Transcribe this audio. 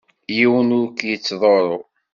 Yiwen ur k-yettḍurru.